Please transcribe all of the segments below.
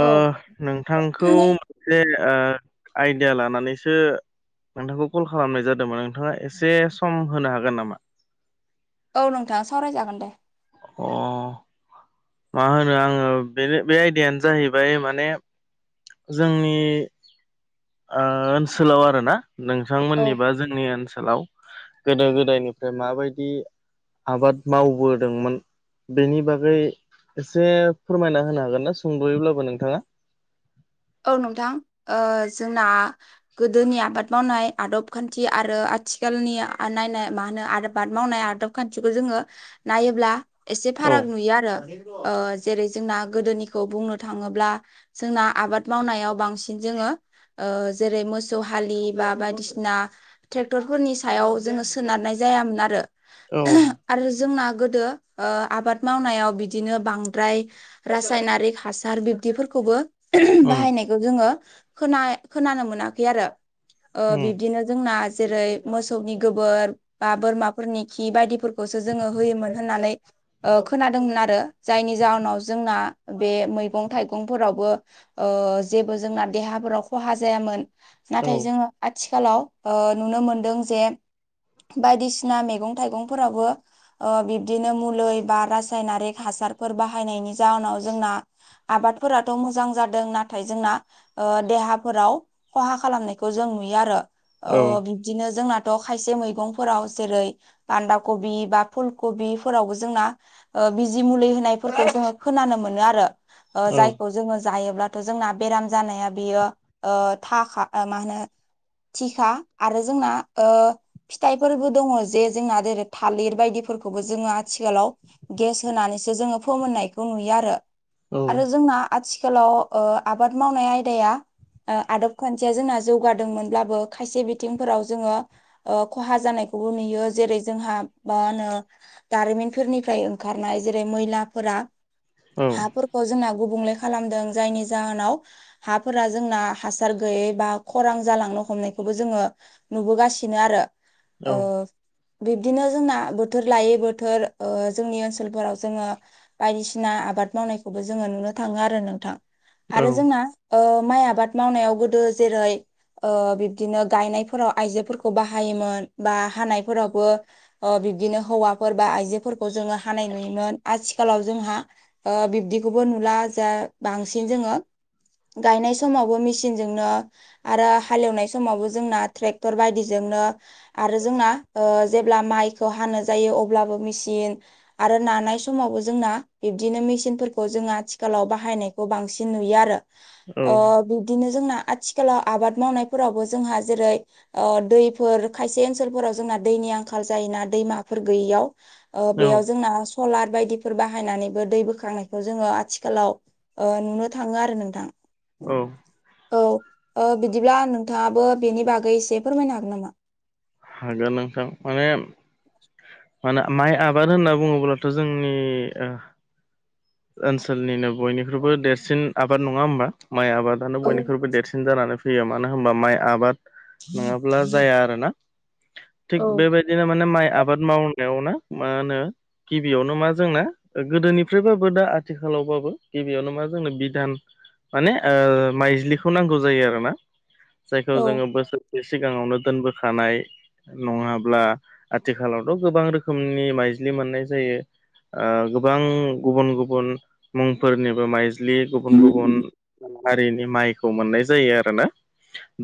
औ नोंथांखौ मोनसे आइडिया लानानैसो नोंथांखौ कल खालामनाय जादोंमोन नोंथाङा एसे सम होनो हागोन नामान? औ नोंथाङा सावरायजागोन दे। अ मा होनो आङो बेनो बे आयडायानो जाहैबाय माने जोंनि ओनसोलाव आर ना औ नोंथांमोननिबा जोंनि ओनसोलाव गोदो गोदायनिफ्राय माबायदि आबाद मावबोदोंमोन। बेनि बागै एसे फोरमायना होनो हागोन ना सोंद'योब्लाबो नोंथाङा औ नोंथां जोंना गोदोनि आबाद मावनाय आदब खान्थि आरो आथिखालनि नायनाय मा होनो आबाद मावनाय आदब खान्थिखौ जोङो नायोब्ला एसे औ फाराग नुयो आरो जेरै जोंना गोदोनिखौ बुंनो थाङोब्ला जोंना आबाद मावनायाव बांसिन जोङो जेरै मोसौ हालि बा बायदिसिना ट्रेक्टरफोरनि सायाव जोङो सोनारनाय जायामोन आरो औ। आरो जोंना गोदो आबाद मावनायाव बिदिनो बांद्राय रासायनारिक हासार बिब्दिफोरखौबो उम ज खोन मोनाखै आरो उम बिदिनो जोंना जेरै मोसौनि गोबोर बा बोरमाफोरनि खि बायदिफोरखौसो जोङो होयोमोन होननानै खोनादोंमोन आरो जायनि जाहोनाव जोंना बे मैगं थाइगंफोरावबो जेबो जोंना देहाफोराव खहा जायामोन औ नाथाय जोङो आथिखालाव नुनो मोनदों जे बायदिसिना मैगं थाइगंफोराबो बिब्दिनो मुलै बा रासायनारिक हासारफोर बाहायनायनि जाउनाव जोंना आबादफोराथ' मोजां जादों नाथाय जोंना देहाफोराव खहा खालामनायखौ जों नुयो आरो औ बिब्दिनो जोंनाथ' खायसे मैगंफोराव जेरै बान्दा कबि बा फुल कबिफोरावबो जोंना बिजि मुलि होनायफोरखौ जोङो खोनानो मोनो आरो औ जायखौ जोङो जायोब्ला जोंना बेराम जानाया बियो थाखा मा होनो थिखा आरो जोंना फिथाइफोरबो दङ जे जोंना जेरै थालिर बायदिफोरखौबो जोङो आथिखालाव गेस होनानैसो जोङो फोमोननायखौ नुयो आरो औ आरो जोंना आथिखालाव आबाद मावनाय आयदाया आदब खान्थिया जोंना जौगादोंमोनब्लाबो खायसे बिथिंफोराव जोङो खहा जानायखौबो नुयो जेरै जोंहा मा होनो दारिमिनफोरनिफ्राय ओंखारनाय जेरै मैलाफोरा औ हाफोरखौ जोंना गुबुंले खालामदों जायनि जाहोनाव हाफोरा जोंना हासार गैयै बा खरां जालांनो हमनायखौबो जोङो नुबोगासिनो आरो औ बिब्दिनो जोंना बोथोर लायै बोथोर जोंनि ओनसोलफोराव जोङो बायदिसिना आबाद मावनायखौबो जोङो नुनो थाङो आरो नोंथां औ आरो जोंना माइ आबाद मावनायाव गोदो जेरै बिब्दिनो गायनायफोराव आयजोफोरखौ बाहायोमोन बा हानायफोरावबो बिब्दिनो हौवाफोर बा आइजोफोरखौ जोङो हानाय नुयोमोन आथिखालाव जोंहा बिब्दिखौबो नुला जा बांसिन जोङो गायनाय समावबो मेचिनजोंनो आरो हालेवनाय समावबो जोंना टेक्टर बायदिजोंनो आरो जोंना ओ जेब्ला माइखौ हानो जायो अब्लाबो मिसिन आरो नानाय समावबो जोंना बिब्दिनो मिसिनफोरखौ जों आथिखालाव बाहायनाय खौ बांसिन नुयो आरो औ ओ बिदिनो जोंना आथि खालाव आबाद मावनायफोरावबो जोंहा जेरै ओ दैफोर खायसे ओनसोलफोराव जोंना दैनि आंखाल जायोना दैमाफोर गैयियाव। ओ औ बेयाव जोंना सलार बायदिफोर बाहायनानैबो दै बोखांनायखौ जोङो आथिखालाव ओ नुनो थाङो आरो नोंथां। औ। औ ओ बिदिब्ला नोंथाङाबो बेनि बागै एसे फोरमायनो हागोन नामा? हागोन नोंथां माने माना माइ आबाद होनना बुङोब्लाथ' जोंनि ओ ओनसोलनिनो बयनिख्रुइबो देरसिन आबाद नङा होमबा? माइ आबाद दानो औ बयनिख्रुइबो देरसिन जानानै फैयो मानो होनबा माइ आबाद नङाब्ला जाया आरोना। औ थिग बेबायदिनो माने माइ आबाद मावनायावनो मा होनो गिबियावनो मा जोंना गोदोनिफ्रायबाबो दा आथिखालावबाबो गिबियावनो मा जोंनो बिधान माने ओ माइज्लिखौ नांगौ जायो आरो ना। जायखौ औ जोङो बोसोरसे सिगाङावनो दोनबोखानाय नङाब्ला आथिखालावथ' गोबां रोखोमनि माइज्लि मोननाय जायो। ओ गोबां गुबुन गुबुन मुंफोरनिबो माइज ज्लि गुबुन गुबुन हारिनि माइखौ मोननाय जायो आरोना।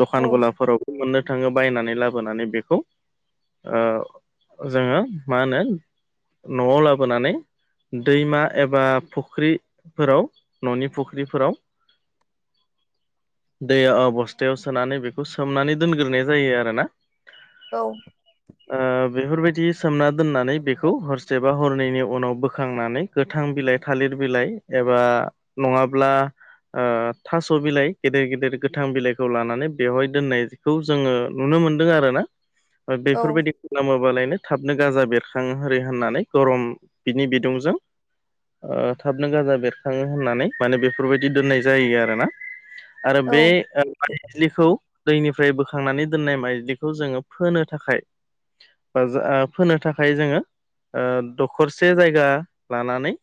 दखान औ गलाफोरावबो मोननो थाङो बायनानै लाबोनानै बेखौ ओ जोङो मा होनो न'आव लाबोनानै दैमा एबा फख्रिफोराव न'नि फुख्रिफोराव दै ओ बस्थायाव सोनानै बेखौ सोमनानै दोनग्रोनाय जायो आरोना। औ ओ बेफोरबायदि सोमना दोननानै बेखौ हरसे बा हरनैनि उनाव बोखांनानै गोथां बिलाइ थालिर बिलाइ एबा नङाब्ला ओ थास' बिलाइ गेदेर गेदेर गोथां बिलाइखौ लानानै बेवहाय दोननायखौ जोङो नुनो मोन दों आरोना ओ औ बेफोरबायदि खालामोबालायनो थाबनो गाजा बेरखां हारि होननानै गरम बिनि बिदुंजों ओ थाबनो गाजा बेरखाङो होननानै माने बेफोरबायदि दोननाय जायो आरोना। आरो बे औ ओ माइज्लिखौ दैनिफ्राय बोखांनानै दोननाय माइज्लिखौ खौ जोङो फोनो थाखाय बा जा फोनो थाखाय जोङो ओ दखरसे जायगा लानानै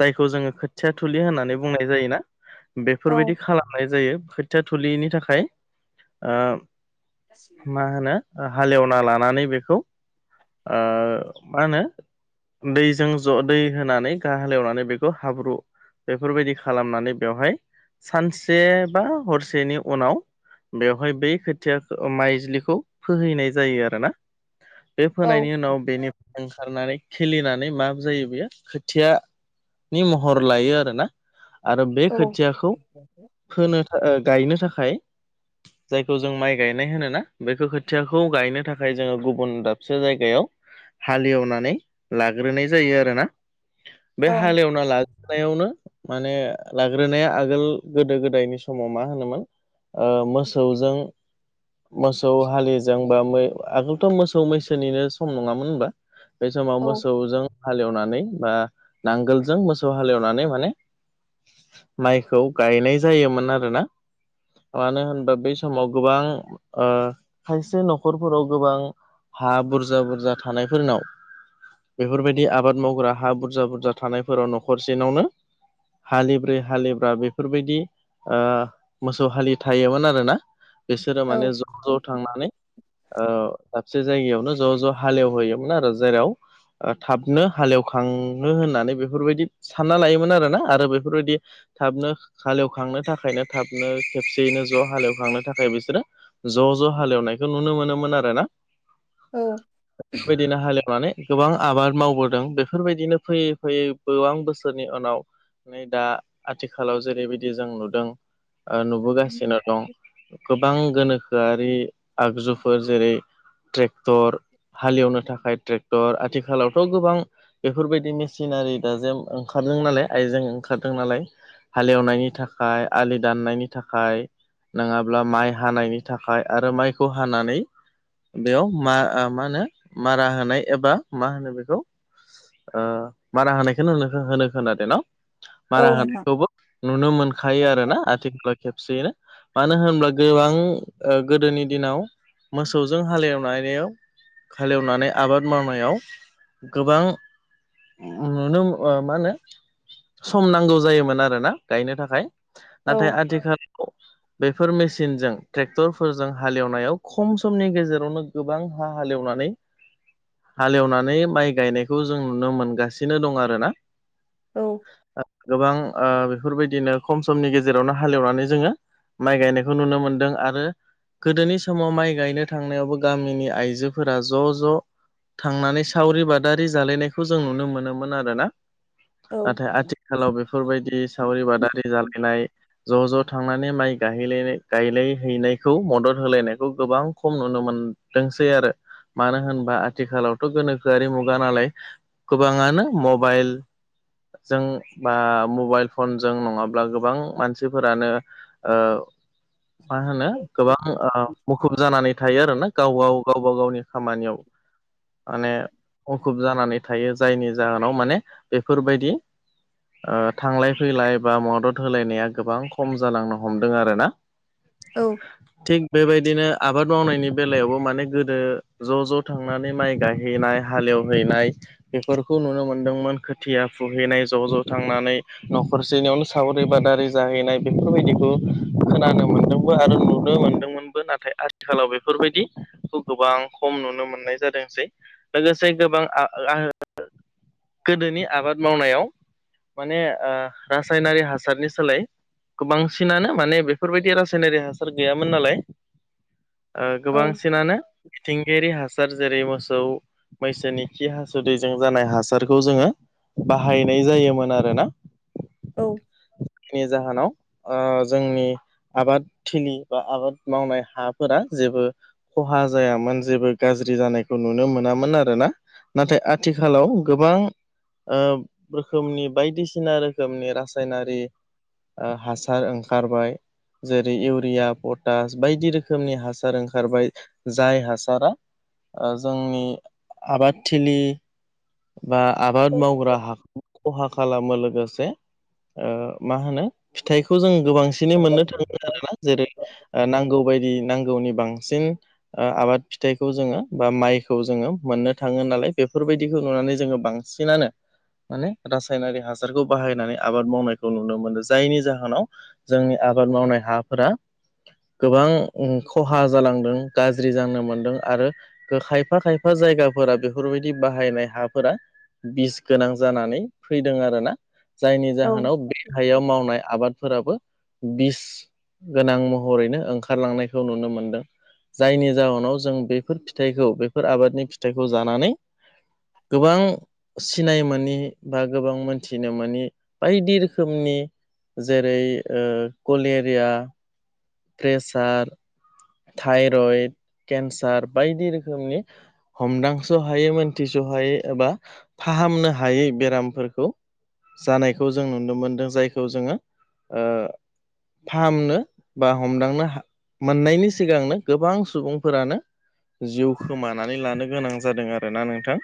जायखौ जोङो खोथिया थुलि होननानै बुंनाय जायोना औ बेफोरबायदि खालामनाय जायो खोथिया थुलिनि थाखाय। आ [inaudible] मा होनो हालेवना लानानै बेखौ ओ मा होनो दैजों ज' दै होनानै गा हालेवनानै बेखौ हाब्रु बेफोरबायदि खालामनानै बेवहाय सानसे बा हरसेनि उनाव बेवहाय बै खोथियाखो ओ माइ ज्लिखौ फोहैनाय जायो आरोना बे ओं फोनायनि उनाव बेनि ओंखारनानै खिलिनानै मा जायो बेयो खोथिया नि महर लायो आरोना। आरो बे खोथियाखौ फोनो था ओ गायनो थाखाय जायखौ जों माइ गायनाय होनो ना बेखौ खोथियाखौ गायनो थाखाय जोङो गुबुन दाबसे जायगायाव हालेवनानै लाग्रोनाय जायो आरोना। बे हालेवना ला नायावनो माने लाग्रोनाया आगोल गोदो गोदायनि समाव मा होनोमोन ओ मोसौजों मोसौ हालिजोंबा मै आगोलथ' मोसौ मैसोनिनो सम नङामोन होनबा? बे समाव औ मोसौजों हालेवनानै बा नांगोलजों मोसौ हालेवनानै माने माइखौ गायनाय जायोमोन आरोना। मानो होनबा बै समाव गोबां ओ खायसे न'खरफोराव गोबां हा बुरजा बुरजा थानायफोरनाव बेफोरबायदि आबाद मावग्रा हा बुरजा बुरजा थानायफोराव न'खरसेनावनो हालिब्रै हालिबा बेफोरबायदि ओ मोसौ हालि थायोमोन आरोना बिसोरो औ माने ज' ज' थांनानै दाबसे जायगायावनो ज' ज' हालेवहैयोमोन आरो जेराव ओ थाबनो हालेवखाङनो होननानै बेफोरबायदि सानना लायोमोन आरो ना आरो बेफोरबायदि थाबनो हालेवखांनो थाखायनो थाबनो खेबसेयैनो ज' हालेवखांनो थाखाय बिसोरो ज' ज' हालेवनायखौ नुनो मोनोमोन आरो ना औ बेबायदिनो हालेवनानै गोबां आबाद मावबोदों बेफोरबायदिनो फैयै फैयै गोबां बोसोरनि उनाव नै दा आथिखालाव जेरैबायदि जों नुदों ओ नुबोगासिनो दं गोबां गोनोखोआरि आगजुफोर जेरै ट्रेक्टर हालेवनो थाखाय ट्रेक्टर आथिखालावथ' गोबां बेफोरबायदि मिसिनारि दाजेम ओंखारदों नालाय आइजें ओंखारदों नालाय हालेवनायनि थाखाय आलि दाननायनि थाखाय नङाब्ला माइ हानायनि नि थाखाय आरो माइखौ हानानै बेयाव मा मा होनो मारा होनाय एबा मा होनो बेखौ ओ मारा होनायखौ होन होनो खोना द न' मारा औ नोंथां होनायखौबो नुनो मोनखायो आरो ना एखमबा खेबसेयनो मानो होनब्ला गोबां ओ गोदोनि दिनाव मोसौजों हालेवनायाव हालेवनानै आबाद मावनायाव गोबां नुनो ओ मा होनो सम नांगौ जायोमोन आरो ना गायनो थाखाय औ नाथाय आथिखालाव बेफोर मेसिनजों ट्रेक्टरफोरजों हालेवनायाव खम समनि गेजेरावनो गोबां हा हालेवनानै हालेवनानै माइ गायनायखौ जों नुनो मोनगासिनो दं आरो ना औ ओ गोबां ओ बेफोरबायदिनो खम समनि गेजेरावनो हालेवनानै जोङो माइ गायनायखौ नुनो मोनदों आरो गोदोनि समाव माइ गायनो थांनायावबो गामिनि आइजोफोरा ज' ज' थांनानै सावरि बादारि जालायनायखौ जों नुनो मोनोमोन आरोना औ नाथाय आथिखालाव बेफोरबायदि सावरि बादालि जालायनाय ज' ज' थांनानै माइ गाहैलायनाय गायलाय हैनायखौ मदद होलायनायखौ गोबां खम नुनो मोनदोंसै आरो मानो होनबा आथिखालावथ' गोनोखोआरि मुगा नालाय गोबाङानो मबाइल जों बा मबाइल फनजों नङाब्ला गोबां मानसिफोरानो ओ मा होनो गोबां ओ मुखुब जानानै थायो आरो ना गाव गाव गावबा गावनि खामानियाव माने मुखुब जानानै थायो जायनि जाहोनाव माने बेफोरबायदि ओ थांलाय फैलाय बा मदद होलायनाया गोबां खम जालांनो हमदों आरोना औ थिग बेबायदिनो आबाद मावनायनि बेलायावबो माने गोदो ज' ज' थांनानै माइ गायहैनाय हालेवहैनाय बेफोरखौ नुनो मोन्दोंमोन खोथिया फुहैनाय ज' ज' थांनानै न'खरसेनियावनो सावरि बादालि जाहैनाय बेफोरबायदिखौ खोनानो मोनो खौबो आरो नुनो मोनदोंमोनबो नाथाय आथिखालाव बेफोरबायदि खौ गोबां खम नुनो मोननाय जादोंसै लोगोसे गोबां आ गोदोनि आबाद मावनायाव माने ओ रासायनारि हासारनि सोलाय गोबांसिनानो माने बेफोरबायदि रासाय सनारि हासार गैयामोन नालाय औ गोबांसिनानो थिंगायारि हासार जेरै मोसौ मैसोनि खि हासुदैजों जानाय हासारखौ जोङो बाहायनाय जायोमोन आरोना औ नि जाहोनाव जोंनि आबाद थिलि बा आबाद मावनाय हाफोरा जेबो खहा जायामोन जेबो गाज्रि जानायखौ नुनो मोनामोन आरो ना। नाथाय आथिखालाव गोबां रोखोमनि बायदिसिना रोखोम रोखोमनि रासायनारि हासार ओंखारबाय जेरै इउरिया पटास बायदि रोखोमनि हासार ओंखारबाय जाय हासारा जोंनि आबादथिलि बा आबाद मावग्रा हा खहा खालामो लोगोसे ओ मा होनो फिथाइखौ जों गोबांसिनै मोननो थाङो आरोना जेरै नांगौ बायदि नांगौनि बांसिन। आबाद फिथाइखौ जोङो बा माइखौ जोङो मोननो थाङो नालाय बेफोरबायदिखौ नुनानै जोङो बांसिन बांसिनानो माने रासायनारि हासारखौ बाहायनानै आबाद मावनायखौ नुनो मोनदों जायनि जाहोनाव। जोंनि आबाद मावनाय हाफोरा गोबां खहा जालांदों गाज्रि जानो मोनदों आरो खायफा खायफा जायगाफोरा बेफोरबायदि बाहायनाय हाफोरा। बिस गोनां जानानै फैदों आरोना। जायनि जाहोनाव बे हायाव मावनाय आबादफोराबो बिस गोनां महरैनो ओंखारलांनायखौ नुनो मोनदों। जायनि जाहोनाव जों बेफोर फिथाइखौ बेफोर आबादनि फिथाइखौ जानानै गोबां सिनाय मानि बा गोबां मोनथिनो मानि बायदि रोखोमनि जेरै कलेरिया प्रेसार थाइरइड केन्सार बायदि रोखोमनि हमदांस' हायै मोनथिस' हायै एबा फाहामनो हायै बेरामफोरखौ जानायखौ जों नुनो मोनदों जायखौ जोङो। ओ फाहामनो बा हमदांनो मोननायनि सिगांनो गोबां सुबुंफोरानो। जिउ खोमानानै लानो गोनां जादों आरोना नोंथां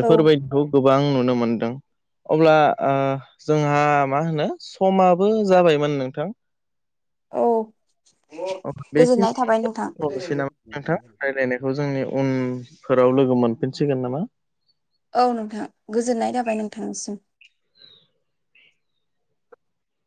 औ बायदिखौ गोबां नुनो मोनदों। अब्ला जोंहा मा होनो समाबो जाबायमोन नोंथां। औ गोजोननाय थाबाय नोंथां। हनोसै नामा नोंथां रायज्लायनायखौ जोंनि उनफोराव लोगो मोनफिनसिगोन नामा? औ नोंथां गोजोननाय जाबाय नोंथांनिसिम।